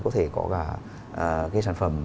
có thể có cả sản phẩm